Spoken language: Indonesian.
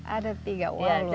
ada tiga wah luar biasa